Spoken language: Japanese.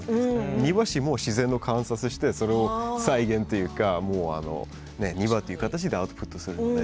庭師は自然の観察をしてそれを再現というか庭という形でアウトプットするので。